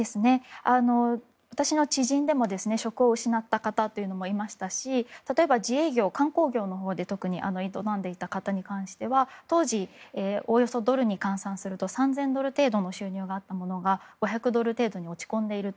私の知人でも職を失った方もいましたし例えば自営業、観光業を営んでいた方については当時、ドルに換算すると３０００ドル程度の収入があったのが５００ドル程度に落ち込んでいる。